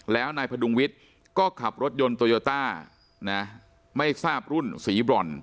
แล้วนายพดุงวิทย์ก็ขับรถยนต์โตโยต้านะไม่ทราบรุ่นสีบรอน